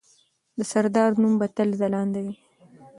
د سردار نوم به تل ځلانده وي.